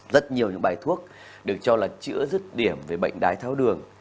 rất nhiều những bài thuốc được cho là chữa rứt điểm về bệnh đái tháo đường